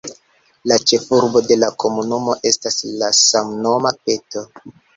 La ĉefurbo de la komunumo estas la samnoma Peto.